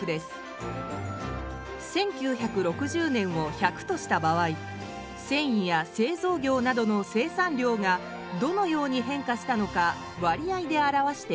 １９６０年を１００とした場合せんいや製造業などの生産量がどのように変化したのか割合で表しています。